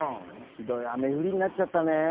ひどいあめふりになっちゃったねえ。